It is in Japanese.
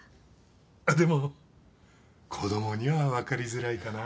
あっでも子供には分かりづらいかな。